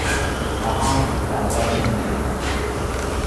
سهام در حال نزول است.